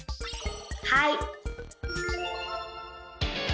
はい！